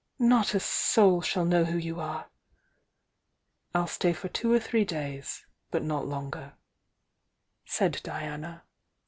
"Not a soul shall know who you are " "I'll stay for two or three days, but not longer," said Diana.